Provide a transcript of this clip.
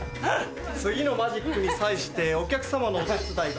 次のマジックに際してお客さまのお手伝いが。